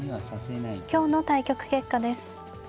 今日の対局結果です。